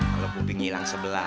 kalau buding ngilang sebelah